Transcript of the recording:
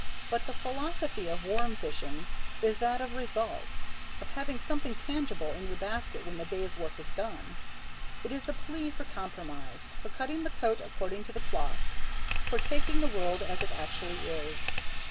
But the philosophy of worm fishing is that of Results, of having something tangible in your basket when the day's work is done. It is a plea for Compromise, for cutting the coat according to the cloth, for taking the world as it actually is.